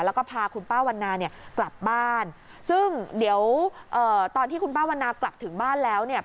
แล้วก็พาคุณป้าวันนาเนี่ยกลับบ้านซึ่งเดี๋ยวตอนที่คุณป้าวันนากลับถึงบ้านแล้วเนี่ย